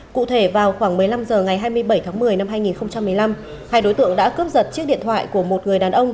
cụ thể vào khoảng một mươi năm h ngày hai mươi bảy tháng một mươi năm hai nghìn một mươi năm hai đối tượng đã cướp giật chiếc điện thoại của một người đàn ông